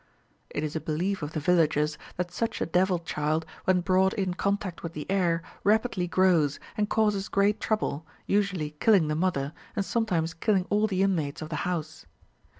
It is a belief of the villagers that such a devil child, when brought in contact with the air, rapidly grows, and causes great trouble, usually killing the mother, and sometimes killing all the inmates of the house.